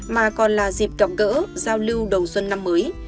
mà còn là dịp gặp gỡ giao lưu đầu xuân năm mới